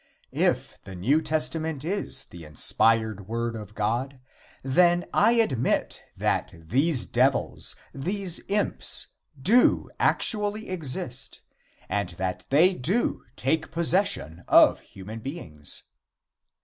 If the New Testament is the inspired word of God, then I admit that these devils, these imps, do actually exist and that they do take possession of human beings.